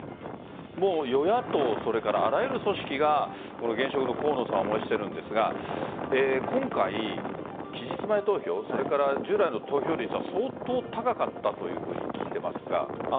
与野党、あらゆる組織が現職の河野さんを応援しているんですが今回、期日前投票従来の投票率は相当高かったというふうに聞いていますが。